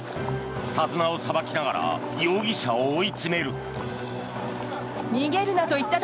手綱をさばきながら容疑者を追い詰める。